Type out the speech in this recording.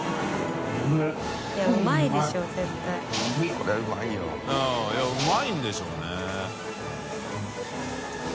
これうまいよ。いやうまいんでしょうね。